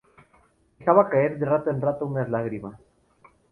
Dejaba caer de rato en rato unas lágrimas.